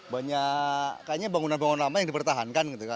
banyak kayaknya bangunan bangunan lama yang dipertahankan gitu kan